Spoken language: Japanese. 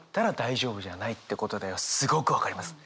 すごく分かります。